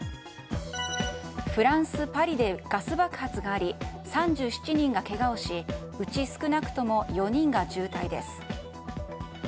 フランス・パリでガス爆発があり３７人がけがをしうち少なくとも４人が重体です。